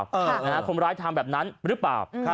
คนร้ายทำแบบนั้นหรือเปล่า